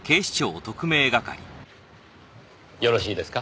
よろしいですか？